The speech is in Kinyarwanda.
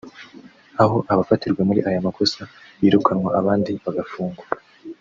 aho abafatirwa muri aya makosa birukanwa abandi bagafungwa